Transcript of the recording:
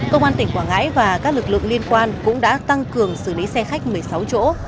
công an tỉnh quảng ngãi và các lực lượng liên quan cũng đã tăng cường xử lý xe khách một mươi sáu chỗ